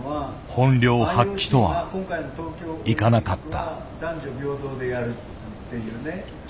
本領発揮とはいかなかった。